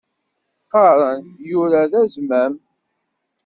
Qqaren yura d azmam.